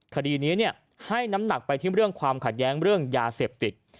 คดีนี้ให้น้ำหนักไปที่เรื่องความขัดแย้งเรื่องยาเสพติด